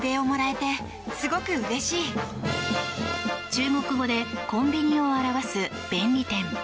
中国語でコンビニを表す「便利店」。